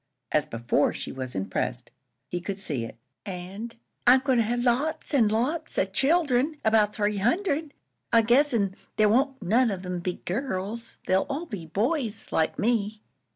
As before, she was impressed; he could see it. "An' I'm goin' to have lots an' lots of children 'bout three hundred, I guess an' there won't none of 'em be girls. They'll all be boys like me."